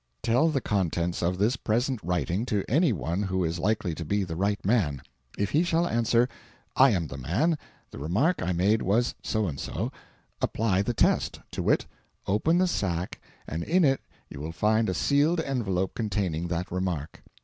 Tell the contents of this present writing to any one who is likely to be the right man. If he shall answer, 'I am the man; the remark I made was so and so,' apply the test to wit: open the sack, and in it you will find a sealed envelope containing that remark.